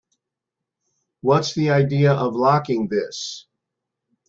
What's the idea of locking this?